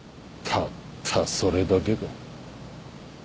たったそれだけか。